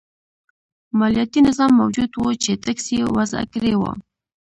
مالیاتي نظام موجود و چې ټکس یې وضعه کړی و.